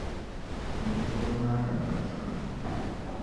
N yiko naai ya ka chε ma.